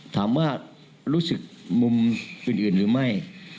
ถามว่ารู้สึกมุมอื่นหรือไม่